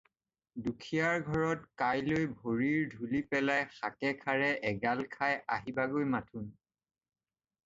দুখীয়াৰ ঘৰত কাইলৈ ভৰিৰ ধূলি পেলাই শাকে-খাৰে এগাল খাই আহিবাগৈ মাথোন।